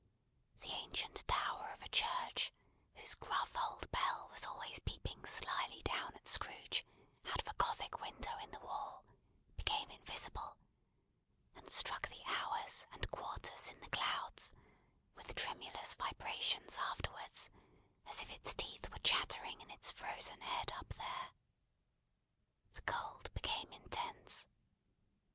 The ancient tower of a church, whose gruff old bell was always peeping slily down at Scrooge out of a Gothic window in the wall, became invisible, and struck the hours and quarters in the clouds, with tremulous vibrations afterwards as if its teeth were chattering in its frozen head up there. The cold became intense.